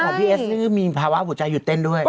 ของพี่เอ๊ะซื้อมีภาวะหัวใจหยุดเต้นด้วย